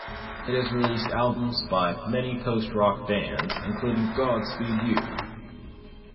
It has released albums by many post-rock bands, including Godspeed You!